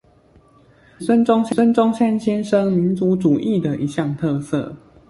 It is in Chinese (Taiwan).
是孫中山先生民族主義的一項持色